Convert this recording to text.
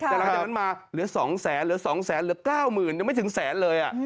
แต่หลังจากนั้นมาเหลือ๒๐๐๐หรือ๒๐๐๐หรือ๙๐๐๐๐ยังไม่ถึงแสนเลย